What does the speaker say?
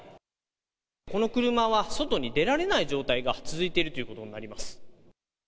この車は外に出られない状態が続いているということになります。